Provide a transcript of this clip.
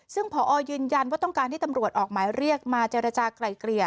ซึ่งพอยืนยันว่าต้องการให้ตำรวจออกหมายเรียกมาเจรจากลายเกลี่ย